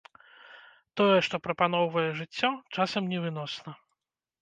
Тое, што прапаноўвае жыццё, часам невыносна.